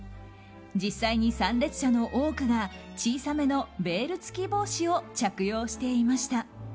実際に参列者の多くが小さめのベール付き帽子を着用していました。